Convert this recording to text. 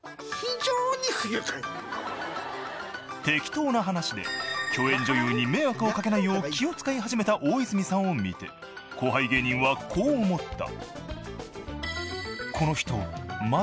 ［適当な話で共演女優に迷惑を掛けないよう気を使い始めた大泉さんを見て後輩芸人はこう思った］